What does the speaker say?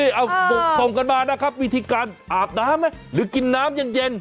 เอาบุกส่งกันมานะครับวิธีการอาบน้ำไหมหรือกินน้ำเย็น